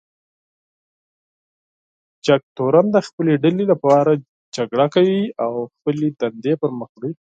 جګتورن د خپلې ډلې لپاره جګړه کوي او خپلې دندې پر مخ وړي.